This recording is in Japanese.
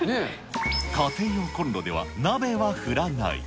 家庭用こんろでは鍋は振らない。